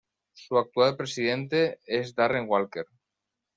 Su actual presidente es Darren Walker.